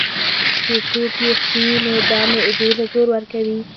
چې څوک ئې خوري نو دا معدې له زور ورکوي